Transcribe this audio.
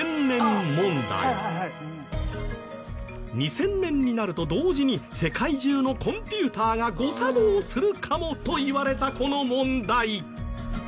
２０００年になると同時に世界中のコンピューターが誤作動するかもといわれたこの問題。